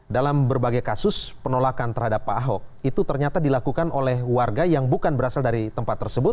dalam berbagai kasus penolakan terhadap pak ahok itu ternyata dilakukan oleh warga yang bukan berasal dari tempat tersebut